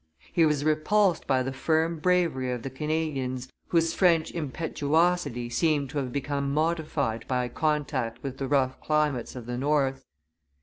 He was repulsed by the firm bravery of the Canadians, whose French impetuosity seemed to have become modified by contact with the rough climates of the north.